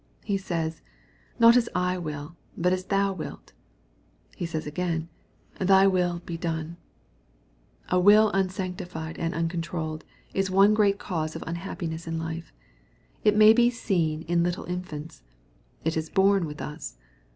He says, " Not as I will, but as thou wilt/' He says again, " Thy will be done. A will unsanctified and uncontrolled, is one great cause of unhappiness in life. It may be seen in little infants. It is born with us.